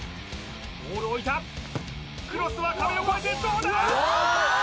ボールを置いたクロスは壁を越えてどうだ？